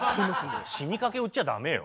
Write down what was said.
死にかけ売っちゃ駄目よ。